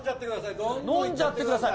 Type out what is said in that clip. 飲んじゃってください。